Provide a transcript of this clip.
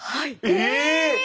え！